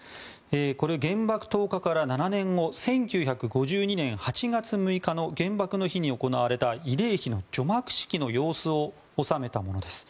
これ、原爆投下から７年後１９５２年８月６日の原爆の日に行われた慰霊碑の除幕式の様子を収めたものです。